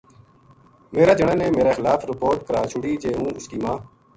میرا جنا نے میرے خلاف رپوٹ کرا چھُڑی جے ہوں اُس کی ماں